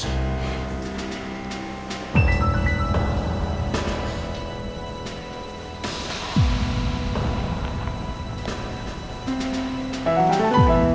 ini nomor teleponnya riki